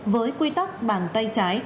với quy tắc bàn tay trái